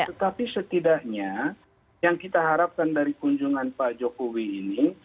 tetapi setidaknya yang kita harapkan dari kunjungan pak jokowi ini